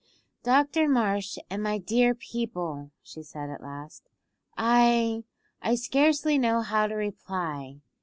"Doctor Marsh, and my dear people," she said at last, "I I scarcely know how to reply.